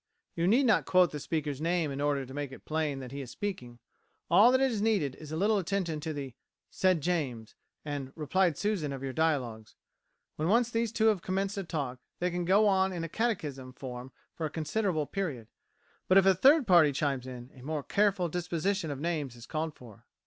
You need not quote the speaker's name in order to make it plain that he is speaking: all that is needed is a little attention to the "said James" and "replied Susan" of your dialogues. When once these two have commenced to talk, they can go on in catechism form for a considerable period. But if a third party chimes in, a more careful disposition of names is called for.